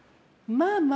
まあまあ。